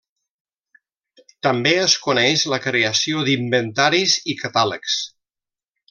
També es coneix la creació d'inventaris i catàlegs.